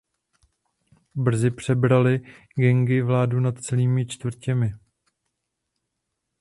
Brzy přebraly gangy vládu nad celými čtvrtěmi.